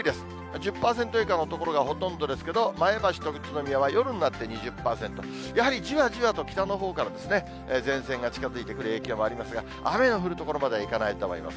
１０％以下の所がほとんどですけれども、前橋と宇都宮は夜になって２０％、やはりじわじわと北のほうから前線が近づいてくる影響もありますが、雨の降るところまではいかないと思います。